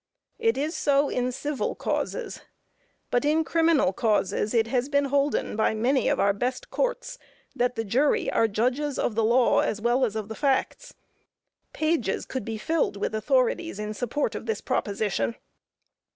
It is so in civil causes, but in criminal causes it has been holden by many of our best courts that the jury are judges of the law as well as of the facts. Pages could be filled with authorities in support of this proposition.